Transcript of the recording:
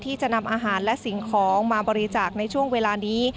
ที่จะนำอาหารและสิ่งของมาบริจาคในช่วงเวลานี้